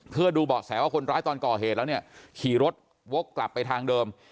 เพื่อดูเบาะแสว่าคนร้ายตอนก่อเหตุแล้วเนี่ยขี่รถวกกลับไปทางเดิม